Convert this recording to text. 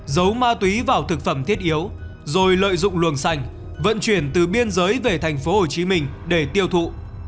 giấu ma túy vào thực phẩm thiết yếu rồi lợi dụng luồng xanh vận chuyển từ biên giới về thành phố hồ chí minh để tiêu thụ